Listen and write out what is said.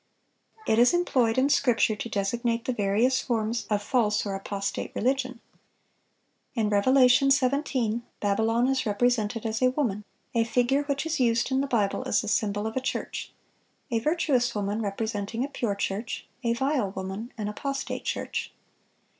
It is employed in Scripture to designate the various forms of false or apostate religion. In Revelation 17, Babylon is represented as a woman,—a figure which is used in the Bible as the symbol of a church, a virtuous woman representing a pure church, a vile woman an apostate church.